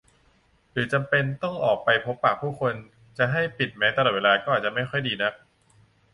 หรือจำเป็นต้องออกไปพบปะผู้คนจะให้ปิดแมสก์ตลอดเวลาก็อาจจะไม่ค่อยดีนัก